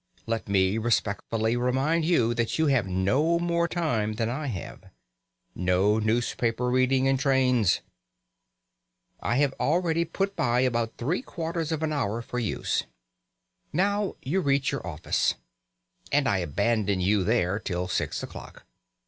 Let me respectfully remind you that you have no more time than I have. No newspaper reading in trains! I have already "put by" about three quarters of an hour for use. Now you reach your office. And I abandon you there till six o'clock.